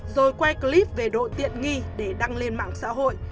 rồi quay clip về độ tiện nghi để đăng lên mạng xã hội